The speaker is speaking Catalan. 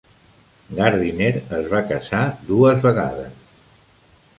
Gardiner es va casar dues vegades.